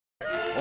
お！